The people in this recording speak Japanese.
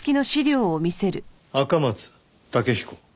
赤松建彦。